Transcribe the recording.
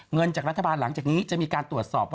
เงินจากรัฐบาลหลังจากนี้จะมีการตรวจสอบ